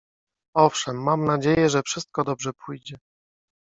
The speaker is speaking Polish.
Owszem, mam nadzieję, że wszystko dobrze pójdzie.